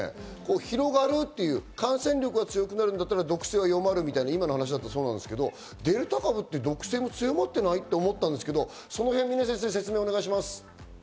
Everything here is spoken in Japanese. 広がるっていう感染力が強くなるなら毒性が弱まるみたいな話、今の話だったらそうですけどデルタ株、毒性強まってないと思ったんですけど説明お願いします。